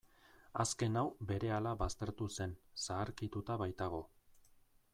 Azken hau berehala baztertu zen, zaharkituta baitago.